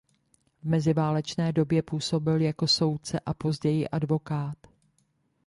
V meziválečné době působil jako soudce a později advokát.